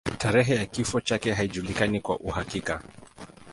Tarehe ya kifo chake haijulikani kwa uhakika.